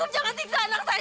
cukup jangan siksa anak saya